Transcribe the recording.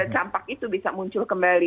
campak itu bisa muncul kembali